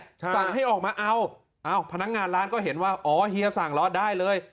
สั่งให้ออกมาเอาพนักงานร้านก็เห็นว่าอ๋อเฮียสั่งเหรอได้เลย